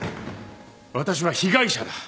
私は被害者だ。